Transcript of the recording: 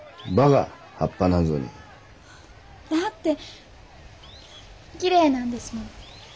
だってきれいなんですもの。